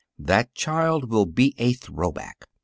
"That child will be a throwback.